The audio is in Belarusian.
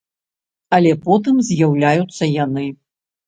Але потым з'яўляюцца яны.